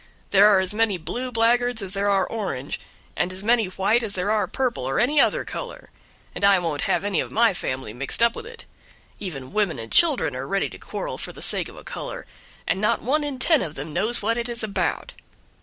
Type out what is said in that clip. There are as many 'blue' blackguards as there are 'orange', and as many white as there are purple, or any other color, and I won't have any of my family mixed up with it. Even women and children are ready to quarrel for the sake of a color, and not one in ten of them knows what it is about."